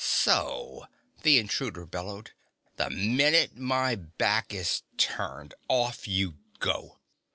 "So!" the intruder bellowed. "The minute my back is turned, off you go!